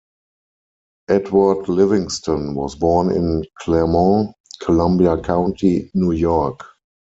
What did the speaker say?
Edward Livingston was born in Clermont, Columbia County, New York.